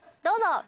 どうぞ！